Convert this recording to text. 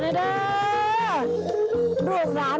พร้อมรับแม่ฟ้าสวดน้องถวายได้องค์มหาเทศ